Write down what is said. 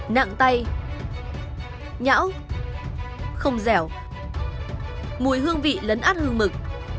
nặng tay nhão không dẻo mùi hương vị lấn át hương mực